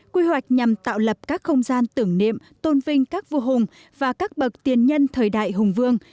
quy hoạch nhằm tạo lập các không gian tưởng niệm tôn vinh các vua hùng và các bậc tiền nhân thời đại hùng vương